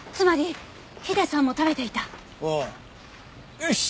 よし。